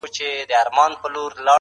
افرین ورته وایو